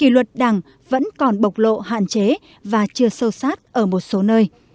luật đảng vẫn còn bộc lộ hạn chế và chưa sâu sát ở một số nơi